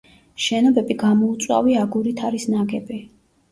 შენობები გამოუწვავი აგურით არის ნაგები.